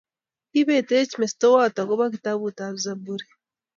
Kibetech mestowot akobo kitabut ab Zaburi